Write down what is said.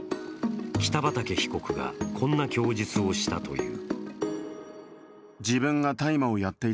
北畠被告がこんな供述をしたという。